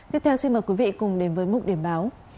tiếp theo xin mời quý vị cùng đến với mục điểm báo